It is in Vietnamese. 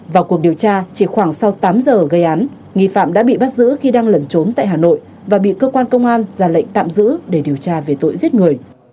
vào cuộc điều tra chỉ khoảng sau tám giờ gây án nghi phạm đã bị bắt giữ khi đang lẩn trốn tại hà nội và bị cơ quan công an ra lệnh tạm giữ để điều tra về tội giết người